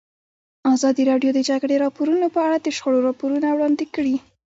ازادي راډیو د د جګړې راپورونه په اړه د شخړو راپورونه وړاندې کړي.